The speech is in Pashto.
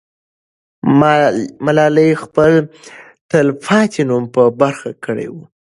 ملالۍ خپل تل پاتې نوم په برخه کړی وو.